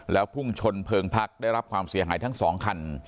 แล้วพุ่งชนเพลิงพักได้รับความเสียหายทั้ง๒คัน